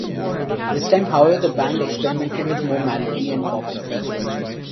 This time, however, the band experimented with more melody and pop influence.